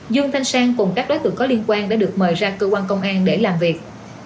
dương thanh sang cùng các đối tượng có liên quan đã được mời ra cơ quan công an để làm việc